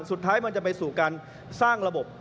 สุดท้ายมันจะไปสู่การสร้างระบบ